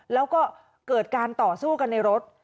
แล้วก็เกิดการต่อสู้กันในรถ